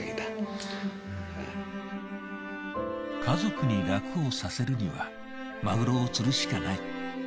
家族に楽をさせるにはマグロを釣るしかない。